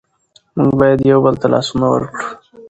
موږ باید یو بل ته لاسونه ورکړو.